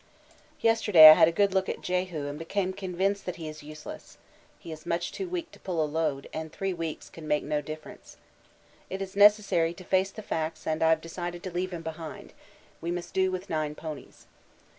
Yesterday I had a good look at Jehu and became convinced that he is useless; he is much too weak to pull a load, and three weeks can make no difference. It is necessary to face the facts and I've decided to leave him behind we must do with nine ponies.